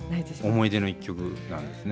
思い出の一曲なんですね。